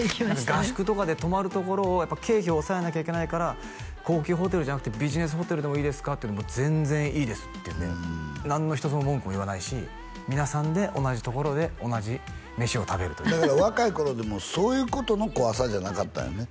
合宿とかで泊まるところを経費を抑えなきゃいけないから高級ホテルじゃなくてビジネスホテルでもいいですかっていうのにも全然いいですってね何の一つの文句も言わないし皆さんで同じところで同じ飯を食べるという若い頃でもそういうことの怖さじゃなかったんよね